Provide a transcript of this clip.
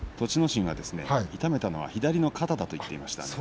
心は痛めたのは左の肩だと言っていました。